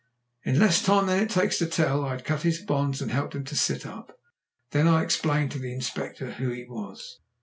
_ In less time than it takes to tell I had cut his bonds and helped him to sit up. Then I explained to the Inspector who he was.